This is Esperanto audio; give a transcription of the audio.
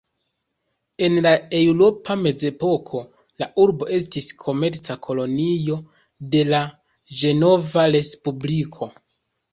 En la eŭropa mezepoko, la urbo estis komerca kolonio de la Ĝenova Respubliko.